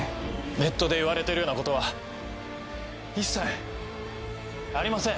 ネットで言われてるようなことは一切ありません！